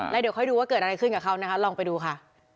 แล้วเดี๋ยวค่อยดูว่าเกิดอะไรขึ้นกับเขานะคะลองไปดูค่ะ